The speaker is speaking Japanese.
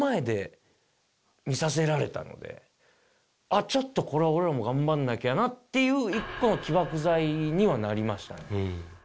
あっちょっとこれは俺らも頑張んなきゃなっていう１個の起爆剤にはなりましたね。